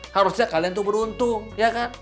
harusnya kalian tuh beruntung ya kan